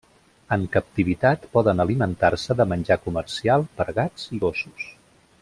En captivitat, poden alimentar-se de menjar comercial per a gats i gossos.